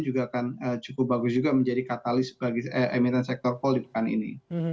juga akan cukup bagus juga menjadi katalis bagi emiten sektor call di pekan ini